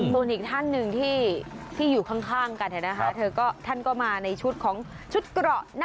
ส่วนอีกท่านหนึ่งที่อยู่ข้างกัน